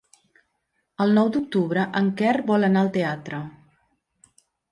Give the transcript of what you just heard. El nou d'octubre en Quer vol anar al teatre.